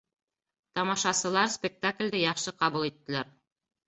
Тамашасылар спектаклде яҡшы ҡабул иттеләр